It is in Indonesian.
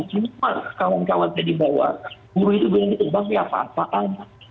cuma kawan kawan tadi bawa buruh itu boleh ditebang ya apa apaan